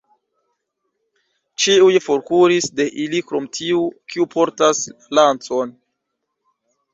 Ĉiuj forkuris de ili krom tiu, kiu portas la lancon.